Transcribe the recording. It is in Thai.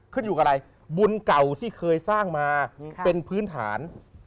ขึ้นอยู่กับอะไรบุญเก่าที่เคยสร้างมาเป็นพื้นฐาน